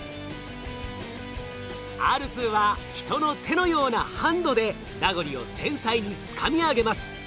Ｒ２は人の手のようなハンドでラゴリを繊細につかみ上げます。